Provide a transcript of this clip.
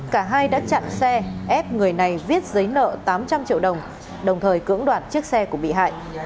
cả hai đã chặn xe ép người này viết giấy nợ tám trăm linh triệu đồng đồng thời cưỡng đoạt chiếc xe của bị hại